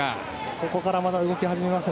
ここからまだ動き始めますよ。